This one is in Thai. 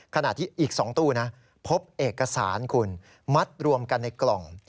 ขณะที่อีก๒ตู้นะพบเอกสารคุณมัดรวมกันในกล่อง